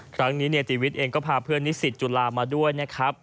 ครั้งนี้จีวิทย์เองก็พาเพื่อนนิสิตจุฬามาด้วยนะครับ